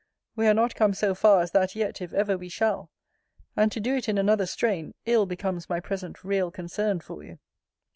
We are not come so far as that yet, if ever we shall: and to do it in another strain, ill becomes my present real concern for you.